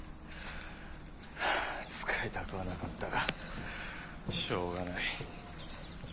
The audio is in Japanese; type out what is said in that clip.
ハァ使いたくはなかったがしょうがない。